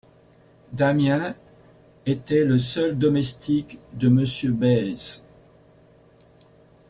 Damiens était le seul domestique de Monsieur Bèze.